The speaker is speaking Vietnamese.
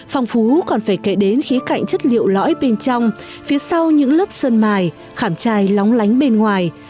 phong phú còn phải kể đến khí cạnh chất liệu lõi bên trong phía sau những lớp sơn mài khảm trai lóng lánh bên ngoài